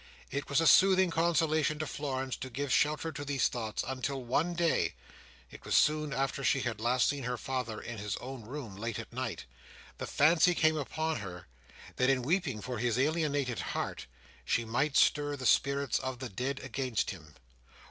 It was a soothing consolation to Florence to give shelter to these thoughts, until one day—it was soon after she had last seen her father in his own room, late at night—the fancy came upon her, that, in weeping for his alienated heart, she might stir the spirits of the dead against him.